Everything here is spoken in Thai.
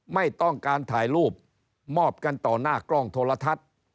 ไม่ต้องการถ่ายรูปมอบกันต่อหน้ากล้องโทรทัศน์